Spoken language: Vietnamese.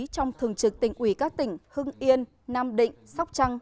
trong thường trực tỉnh ủy các tỉnh hưng yên nam định sóc trăng